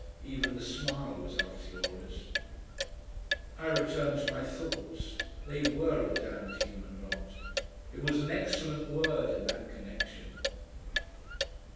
(Even the smile was Altiora's.) I returned to my thoughts. They WERE a damned human lot. It was an excellent word in that connection....